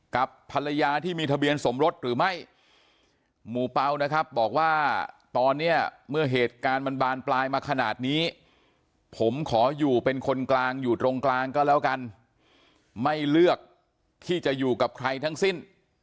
กับภรรยาที่มีทะเบียนสมรสหรือไม่หมู่เปล่านะครับบอกว่าตอนนี้เมื่อเหตุการณ์มันบานปลายมาขนาดนี้ผมขออยู่เป็นคนกลางอยู่ตรงกลางก็แล้วกันไม่เลือกที่จะอยู่กับใครทั้งสิ้น